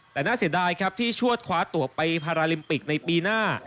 แต่น่าเสียดายครับที่ชวดคว้าตัวไปพาราลิมปิกในปีหน้า